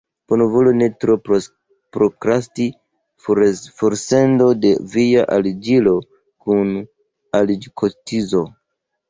Do bonvolu ne tro prokrasti forsendon de via aliĝilo kun aliĝkotizo.